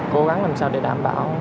cố gắng làm sao để đảm bảo